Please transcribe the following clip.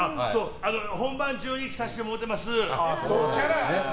本番中に着させてもろうてます。